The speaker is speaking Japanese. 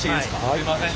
すいません。